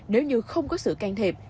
nếu như không có sự can thiệp